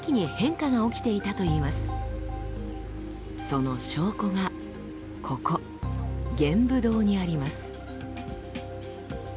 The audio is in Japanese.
その証拠がここ玄武洞にあります。